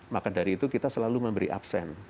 maka dari itu kita selalu memberi absen